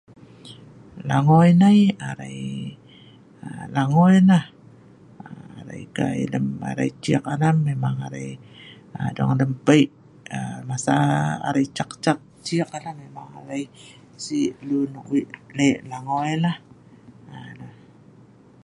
Langoi nai arai aa langoi nah. Kai arai lem ciek alam memang arai dong lem pei'. Masa arai ciek arai si' lun nok wei' le' langoi lah aa